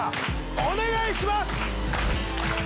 お願いします！